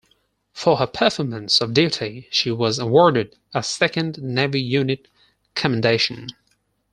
For her performance of duty, she was awarded a second Navy Unit Commendation.